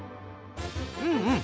うんうん。